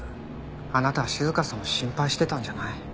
あなたは静香さんを心配してたんじゃない。